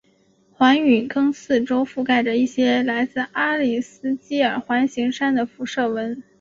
环陨坑四周覆盖着一些来自阿里斯基尔环形山的辐射纹。